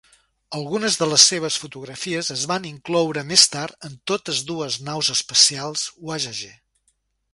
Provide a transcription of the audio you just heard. Algunes de les seves fotografies es van incloure més tard en totes dues naus espacials Voyager.